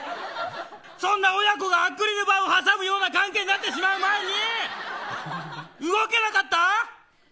そんな親子がアクリル板を挟むような関係になってしまう前に動けなかった。